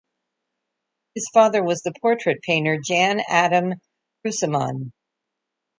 His father was the portrait painter Jan Adam Kruseman.